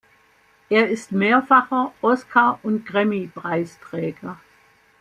Er ist mehrfacher Oscar- und Grammy-Preisträger.